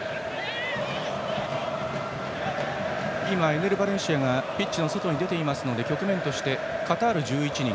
エネル・バレンシアがピッチの外に出ていますので局面として、カタールは１１人